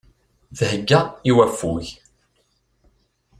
Thegga i waffug.